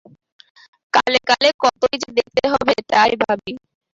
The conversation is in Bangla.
কালে কালে কতই যে দেখতে হবে তাই ভাবি।